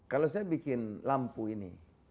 kalau saya bikin lampu ini